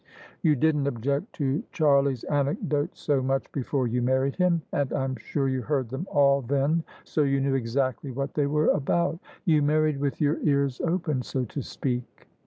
" You didn't object to Charlie's anecdotes so much before you married him: and I'm sure you heard them all then, so you knew exactly what they were about. You married with your ears open, so to speak."